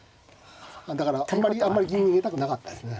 だからあんまり銀入れたくなかったですね。